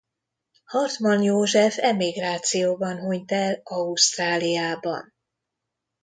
Hartman József emigrációban hunyt el Ausztráliában.